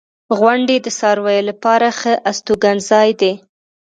• غونډۍ د څارویو لپاره ښه استوګنځای دی.